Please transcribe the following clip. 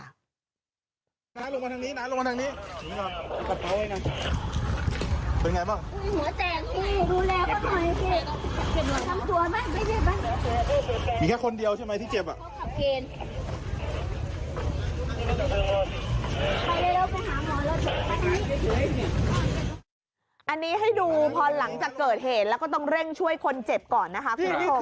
อันนี้ให้ดูพอหลังจากเกิดเหตุแล้วก็ต้องเร่งช่วยคนเจ็บก่อนนะคะคุณผู้ชม